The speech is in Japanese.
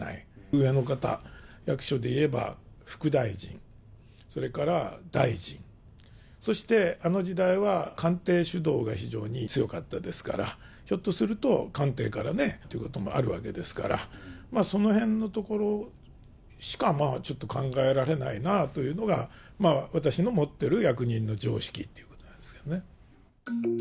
上の方、役所でいえば副大臣、それから大臣、そして、あの時代は官邸主導が非常に強かったですから、ひょっとすると官邸からね、ということもあるわけですから、そのへんのところしかまあ、ちょっと考えられないなあというのが、私の持ってる役人の常識ってことなんですよね。